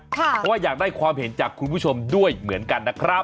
เพราะว่าอยากได้ความเห็นจากคุณผู้ชมด้วยเหมือนกันนะครับ